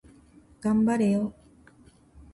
頑張れよ